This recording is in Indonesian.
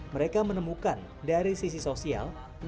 mereka menemukan dari sisi sosial